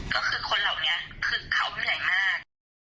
ก็คือคนเหล่านี้คือเขาเหนื่อยมาก